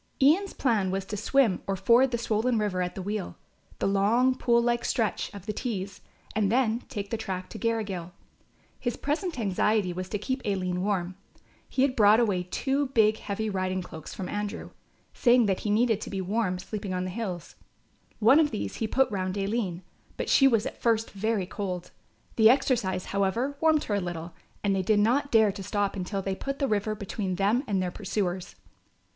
Ian's plan was to swim or ford the swollen river at the Weal, the long pool like stretch, of the Tees, and then take the track to Garrigill. His present anxiety was to keep Aline warm. He had brought away two big heavy riding cloaks from Andrew, saying that he needed to be warm sleeping on the hills. One of these he had put round Aline, but she was at first very cold. The exercise, however, warmed her a little and they did not dare to stop until they had put the river between them and their pursuers.